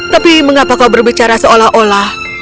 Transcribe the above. tapi mengapa kau berbicara dengan dia